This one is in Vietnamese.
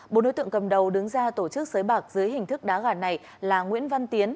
bộ đối tượng cầm đầu đứng ra tổ chức sới bạc dưới hình thức đá gà này là nguyễn văn tiến